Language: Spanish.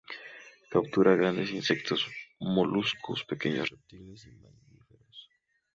Captura grandes insectos, moluscos, pequeños reptiles y mamíferos.